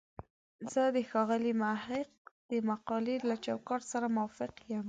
زه د ښاغلي محق د مقالې له چوکاټ سره موافق یم.